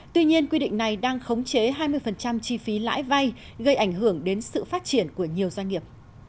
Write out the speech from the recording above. tuy nhiên quy định này đang khống chế hai mươi chi phí lãi vay gây ảnh hưởng đến sự phát triển của nhiều doanh nghiệp